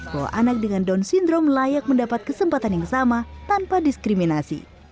bahwa anak dengan down syndrome layak mendapat kesempatan yang sama tanpa diskriminasi